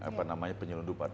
apa namanya penyelundupan